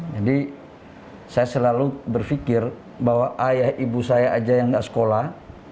jadi saya selalu berfikir bahwa ayah ibu saya aja yang gak sekolah